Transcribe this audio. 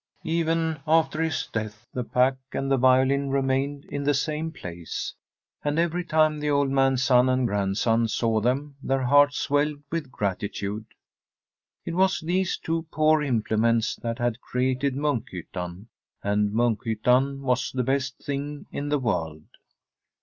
Even after his death the pack and the violin remained in the same place. And every time the old man's son and grandson saw them their hearts swelled with gratitude. It was these two poor implements that had created Munkh)rttan, and Munkhyttan was the best thing in the world.